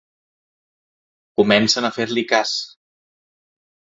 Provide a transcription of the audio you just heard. Comencen a fer-li cas.